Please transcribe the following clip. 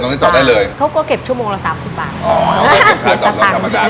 น้องนี่จอดได้เลยเขาก็เก็บชั่วโมงละสามสิบบาทอ๋อเขาก็เก็บชั่วโมงละสามสิบบาท